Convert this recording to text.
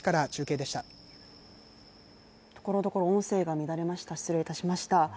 ところどころ音声が乱れました失礼しました。